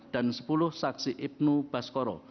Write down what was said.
dan sepuluh saksi ibnu baskoro